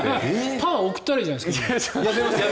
パワー送ったらいいじゃないですか。